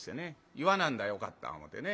言わなんだらよかった思てね。